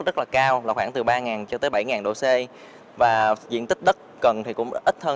rất là cao là khoảng từ ba cho tới bảy độ c và diện tích đất cần thì cũng ít hơn